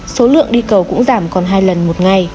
số lượng đi cầu cũng giảm còn hai lần một ngày